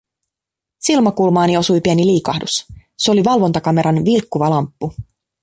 Silmäkulmaani osui pieni liikahdus, se oli valvontakameran vilkkuva lamppu.